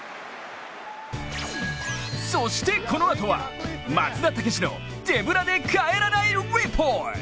そしてこのあとは、「松田丈志の手ぶらで帰らないＲＥＰＯＲＴ」。